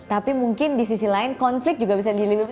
tapi mungkin di sisi lain konflik juga bisa dilindungi